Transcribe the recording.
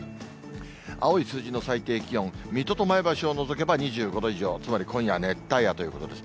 青い数字の最低気温、水戸と前橋を除けば２５度以上、つまり今夜は熱帯夜ということです。